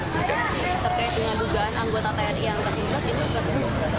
terkait dengan dugaan anggota tni yang terlibat itu seperti apa